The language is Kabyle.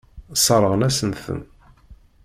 Sseṛɣen-asen-ten.